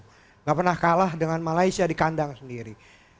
tidak pernah kalah dengan malaysia di kandang sendiri